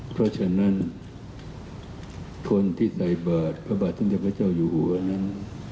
เพราะฉะนั้นคนที่ใส่บาทพระบาทสมเด็จพระเจ้าอยู่หัวนั้น